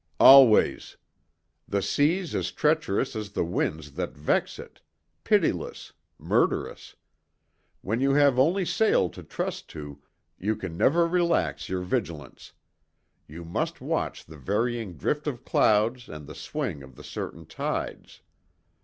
"Always. The sea's as treacherous as the winds that vex it; pitiless, murderous. When you have only sail to trust to, you can never relax your vigilance; you must watch the varying drift of clouds and the swing of the certain tides.